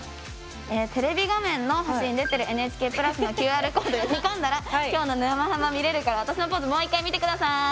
テレビ画面の端に出てるＮＨＫプラスのＱＲコード読み込んだら今日の「沼ハマ」見れるから私のポーズもう一回見て下さい！